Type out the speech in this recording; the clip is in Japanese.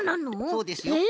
そうですよ。え！